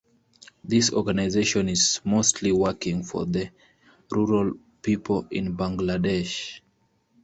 This organization is mostly working for the rural people in Bangladesh.